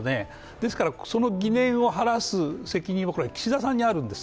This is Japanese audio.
ですから、その疑念を晴らす責任は岸田さんにあるんです。